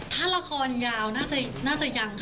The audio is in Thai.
ถ้าละครยาวน่าจะยังค่ะ